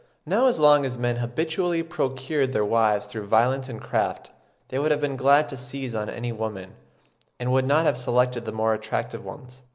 Now as long as men habitually procured their wives through violence and craft, they would have been glad to seize on any woman, and would not have selected the more attractive ones.